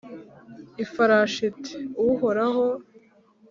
ifarashi iti: 'uraho,